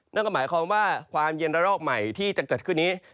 นั่นก็หมายความว่าความเย็นระลอกใหม่ที่จะเกิดขึ้นนี้